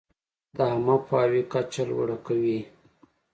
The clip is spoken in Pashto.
د عامه پوهاوي کچه لوړه کوي.